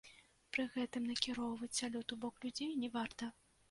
Пры гэтым накіроўваць салют у бок людзей не варта.